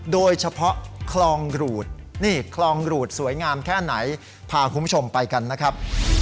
โดยเฉพาะคลองหรูดนี่คลองหรูดสวยงามแค่ไหนพาคุณผู้ชมไปกันนะครับ